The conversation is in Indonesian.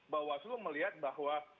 bapak wassong melihat bahwa